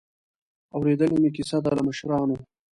اورېدلې مې کیسه ده له مشرانو.